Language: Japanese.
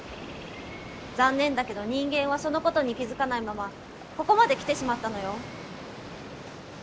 残念だけど人間はそのことに気付かないままここまで来てしまったのよ。